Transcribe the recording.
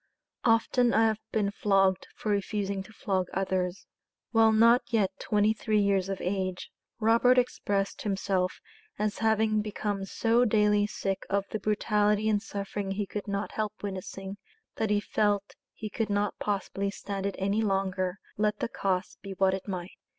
"Often I have been flogged for refusing to flog others." While not yet twenty three years of age, Robert expressed himself as having become so daily sick of the brutality and suffering he could not help witnessing, that he felt he could not possibly stand it any longer, let the cost be what it might.